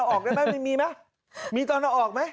ออกได้ไหมมีไหมมีตอนเอาออกไหม